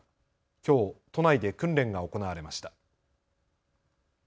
きょう都内で訓練が行われました。